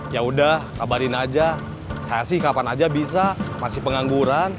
ya udah kabarin aja saya sih kapan aja bisa masih pengangguran